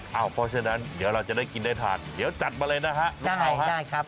เพราะฉะนั้นเดี๋ยวเราจะได้กินได้ทานเดี๋ยวจัดมาเลยนะฮะได้ครับ